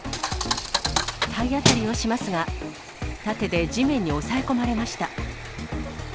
体当たりをしますが、盾で地面に押さえ込まれました。